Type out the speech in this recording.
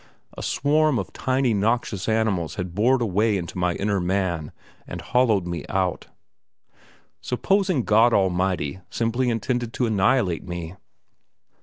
A swarm of tiny noxious animals had bored a way into my inner man and hollowed me out. Supposing God Almighty simply intended to annihilate me?